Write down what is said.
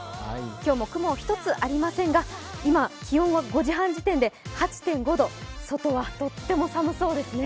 今日も雲一つありませんが今気温は、５時半時点で８．５度、外はとっても寒そうですね。